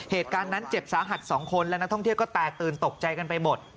เหตุการณ์นั้นเจ็บสาหัส๒คนและนักท่องเที่ยวก็แตกตื่นตกใจกันไปหมด